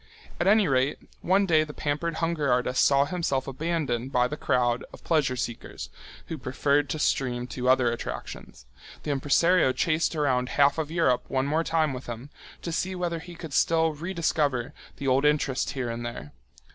At any rate, one day the pampered hunger artist saw himself abandoned by the crowd of pleasure seekers, who preferred to stream to other attractions. The impresario chased around half of Europe one more time with him, to see whether he could still re discover the old interest here and there.